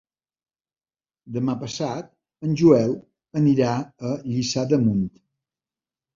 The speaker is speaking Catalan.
Demà passat en Joel anirà a Lliçà d'Amunt.